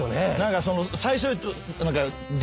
最初。